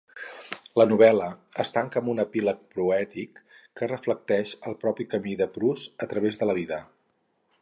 La novel·la es tanca amb un epíleg poètic que reflecteix el propi camí de Prus a través de la vida.